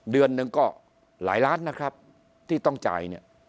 เดือนหนึ่งก็หลายล้านนะครับที่ต้องจ่ายเนี่ย